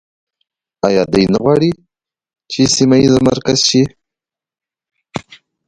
آیا دوی نه غواړي چې سیمه ییز مرکز شي؟